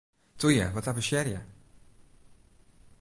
Toe ju, wat avensearje!